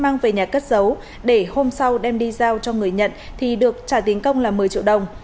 mang về nhà cất giấu để hôm sau đem đi giao cho người nhận thì được trả tiền công là một mươi triệu đồng